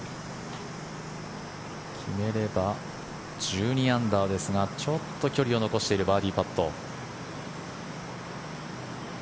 決めれば１２アンダーですがちょっと距離を残しているバーディーパット。